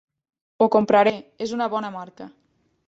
Ho compraré: és una bona marca.